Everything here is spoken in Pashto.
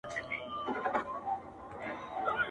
خوريى د ماما د مېني لېوه دئ.